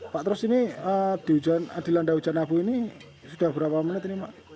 pak terus ini dilanda hujan abu ini sudah berapa menit ini pak